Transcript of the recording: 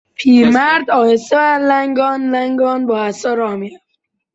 پیرمرد آهسته و لنگان لنگان با عصا راه میرفت.